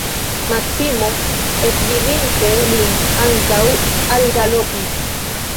Maksimo, ekvidinte lin, ankaŭ algalopis.